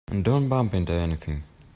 And don't bump into anything.